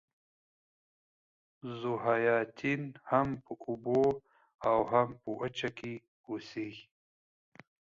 ذوحیاتین هم په اوبو او هم په وچه اوسیږي